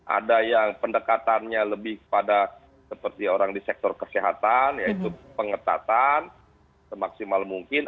ada yang pendekatannya lebih kepada seperti orang di sektor kesehatan yaitu pengetatan semaksimal mungkin